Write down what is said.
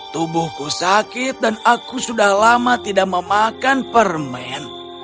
tubuhku sakit dan aku sudah lama tidak memakan permen